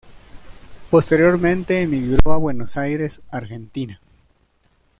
Posteriormente emigró a Buenos Aires, Argentina.